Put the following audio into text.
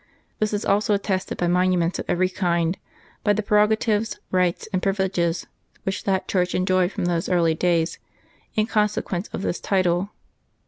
This is also attested by monuments of every kind; by the prerogatives, rights, and privileges which that church en joyed from those early ages in consequence of this title.